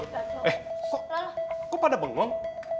loh eh kok pada bengong